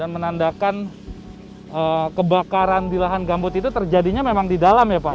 menandakan kebakaran di lahan gambut itu terjadinya memang di dalam ya pak